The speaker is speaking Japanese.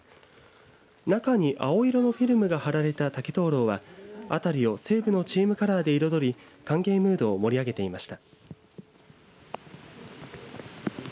中に青色のフィルムが貼られた竹灯籠は辺りを西武のチームカラーで彩り歓迎ムードを盛り上げていました。